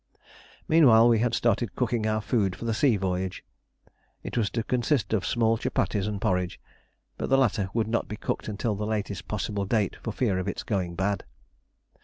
Meanwhile we had started cooking our food for the sea voyage. It was to consist of small chupatties and porridge, but the latter would not be cooked until the latest possible date for fear of its going bad.